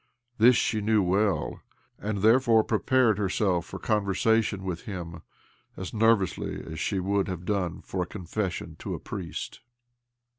This she knew well, and therefore prepared herself for con versation with him as nervously as she would have done for confession to a priest.